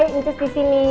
incus di sini